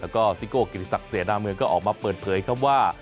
ก็ซิโกะกิริสักเสียน้ำเมืองก็ออกมาเปิดเผยคำว่า